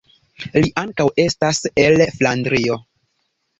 Li ankaŭ estas el Flandrio.